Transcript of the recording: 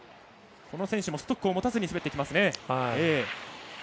この選手もストックを持たずに滑ってきます。